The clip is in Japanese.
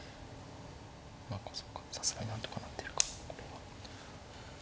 何かそうかさすがになんとかなってるかこれは。